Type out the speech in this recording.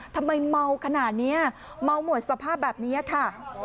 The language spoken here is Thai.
ทำไมเมาขนาดนี้เมาหมดสภาพแบบนี้ค่ะ